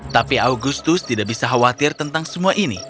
tapi augustus tidak bisa khawatir tentang semua ini